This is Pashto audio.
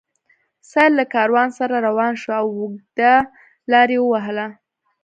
سید له کاروان سره روان شو او اوږده لار یې ووهله.